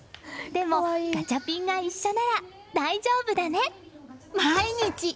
でも、ガチャピンが一緒なら大丈夫だね！